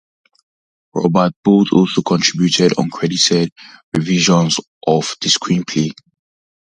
Robert Bolt also contributed uncredited revisions of the screenplay.